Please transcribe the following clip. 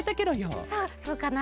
そうそうかな？